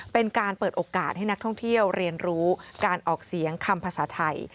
เป็นการเปิดโอกาสให้นักท่องเที่ยวเรียนรู้การออกเสียงคำภาษาไทย